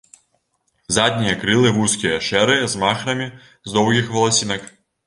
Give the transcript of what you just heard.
Заднія крылы вузкія, шэрыя, з махрамі з доўгіх валасінак.